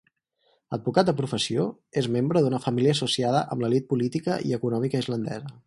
Advocat de professió, és membre d'una família associada amb l'elit política i econòmica islandesa.